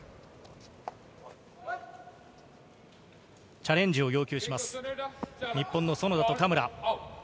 チャレンジを要求します、日本の園田と嘉村。